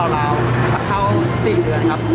ราวประเทศ๔เดือนครับ